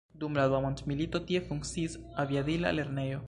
Dum la dua mondmilito, tie funkciis aviadila lernejo.